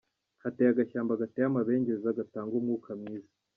Hateye agashyamba gateye amabengeza, gatanga umwuka mwiza.